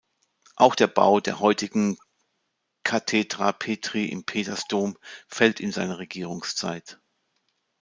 Auch der Bau der heutigen Cathedra Petri im Petersdom fällt in seine Regierungszeit.